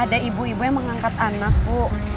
ada ibu ibunya mengangkat anak bu